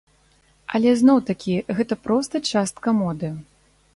Але зноў такі, гэта проста частка моды.